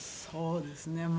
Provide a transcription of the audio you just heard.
そうですね。